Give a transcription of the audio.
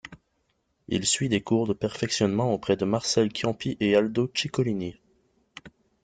Il suit des cours de perfectionnement auprès de Marcel Ciampi et Aldo Ciccolini.